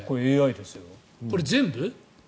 これ全部？